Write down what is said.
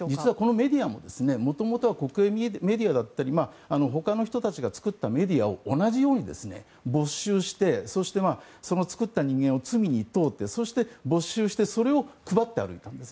メディアも元々は国営メディアだったり他の人たちが作ったメディアを同じように没収して作った人間を罪に問うてそして没収してそれを配ったんです。